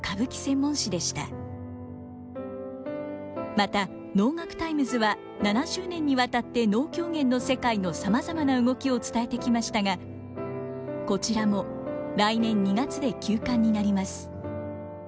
また「能樂タイムズ」は７０年にわたって能狂言の世界のさまざまな動きを伝えてきましたがこちらも来年２月で休刊になります。